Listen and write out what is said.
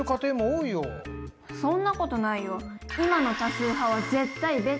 そんな事ないよ。